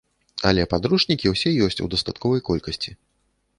Але падручнікі ўсе ёсць у дастатковай колькасці.